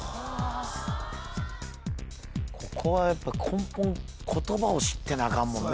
ここはやっぱ根本言葉を知ってなあかんもんね